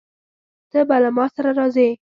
ته به له ما سره راځې؟